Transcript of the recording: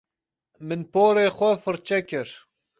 Min porê xwe firçe kir.